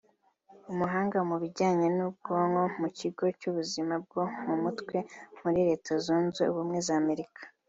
umuhanga mu bijyanye n’ubwonko mu kigo cy’ubuzima bwo mu mutwe muri Leta zunze ubumwe za Amerika